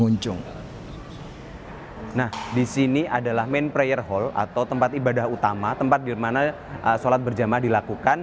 nah disini adalah main player hall atau tempat ibadah utama tempat dimana sholat berjamaah dilakukan